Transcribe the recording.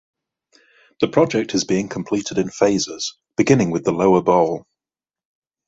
The project is being completed in phases, beginning with the lower bowl.